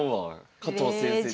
加藤先生に。